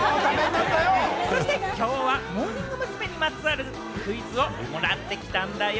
そして今日はモーニング娘。にまつわるクイズをもらってきたんだよ。